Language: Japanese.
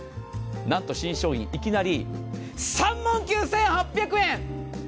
なんと新商品、いきなり３万９８００円。